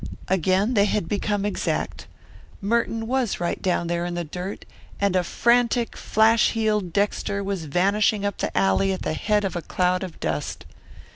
Again they had become exact. Merton was right down there in the dirt, and a frantic, flashing heeled Dexter was vanishing up the alley at the head of a cloud of dust.